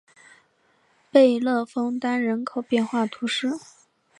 贝勒枫丹人口变化图示